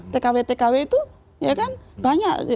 tkw tkw itu ya kan banyak